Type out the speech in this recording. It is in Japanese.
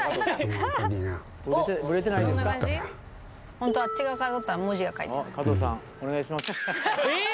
ホントはあっち側から撮ったら文字が書いてあるうん